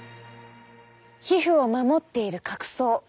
皮膚を守っている角層。